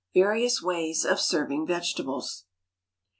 VARIOUS WAYS OF SERVING VEGETABLES.